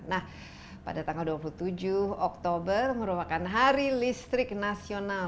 nah pada tanggal dua puluh tujuh oktober merupakan hari listrik nasional